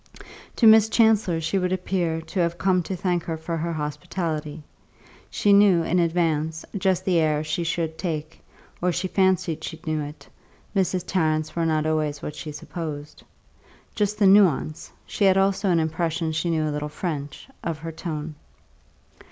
To Miss Chancellor she would appear to have come to thank her for her hospitality; she knew, in advance, just the air she should take (or she fancied she knew it Mrs. Tarrant's were not always what she supposed), just the nuance (she had also an impression she knew a little French) of her tone.